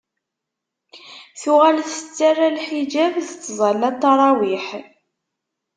Tuɣal tettarra lḥiǧab, tettẓalla ttarawiḥ.